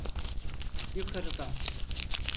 Yukarıdan.